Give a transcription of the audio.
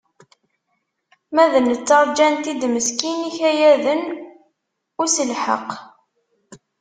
Ma d netta rjan-t-id meskin ikayaden uselḥeq.